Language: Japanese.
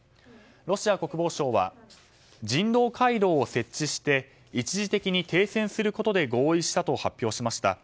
ロシア国防省は人道回廊を設置して一時的に停戦することで合意したと発表しました。